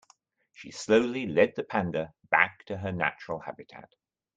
She slowly led the panda back to her natural habitat.